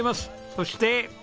そして。